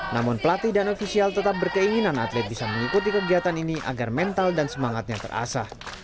namun pelatih dan ofisial tetap berkeinginan atlet bisa mengikuti kegiatan ini agar mental dan semangatnya terasa